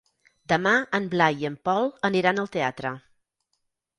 Demà en Blai i en Pol aniran al teatre.